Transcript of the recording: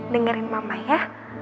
dengerin mama ya